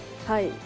はい。